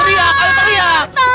teriak ayo teriak